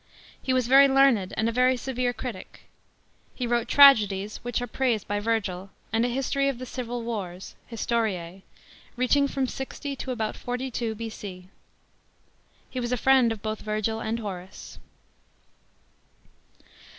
He was very learned ami c, very severe critic. He wrote tragedies, w! ich are p.aised by Virr'l;* and a history of the civil wars (FJistoriie) reaching fum 60 to about 42 B.c.f He was a friend of both Virgil and IIori.ce.